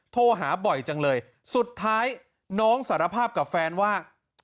โทรหาบ่อยจังเลยสุดท้ายน้องสารภาพกับแฟนว่า